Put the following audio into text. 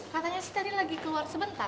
katanya sih tadi lagi keluar sebentar